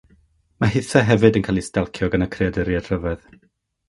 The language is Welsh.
Mae hithau hefyd yn cael ei stelcio gan y creaduriaid rhyfedd.